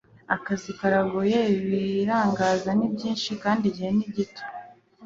akazi karagoye. ibirangaza ni byinshi. kandi igihe ni gito. - adam hochschild